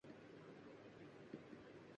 میں گلیوں میں سبزیاں بیچتا ہوں